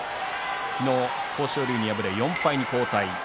昨日、豊昇龍に敗れて４敗に後退。